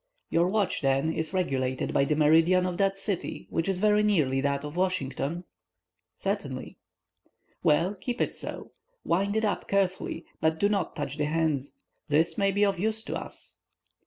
"Your watch, then, is regulated by the meridian of that city, which is very nearly that of Washington?" "Certainly." "Well, keep it so. Wind it up carefully, but do not touch the hands. This may be of use to us."